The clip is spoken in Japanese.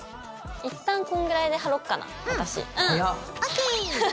一旦こんぐらいで貼ろうかな私。